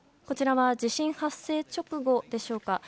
こちらは地震発生直後でしょうか。